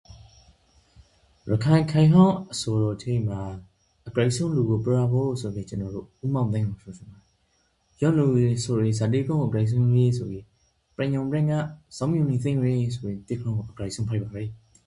ရခိုင်ခေတ်ဟောင်းအဆိုတော်ထဲမှာအကြိုက်ဆုံးလူကိုပြောရဖို့ဆိုကေကျွန်တော်ရို့ဦးမောင်သိန်းကိုပြောချင်ပါယေ။ယင်းလူဆိုယေဇာတေးခြင်းကိုအကြိုက်ဆုံးဆိုကေပြိုင်ညောင်တန်းကစောင့်မျှော်နိန်သိမ့်ယေဆိုယေတေးခြင်းကိုအကြိုက်ဆုံးဖြစ်ပါယေ။